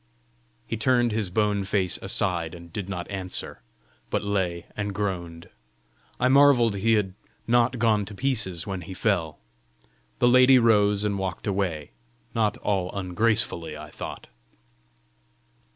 He turned his bone face aside, and did not answer, but lay and groaned. I marvelled he had not gone to pieces when he fell. The lady rose and walked away not all ungracefully, I thought.